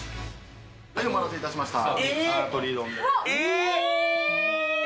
お待たせいたしました。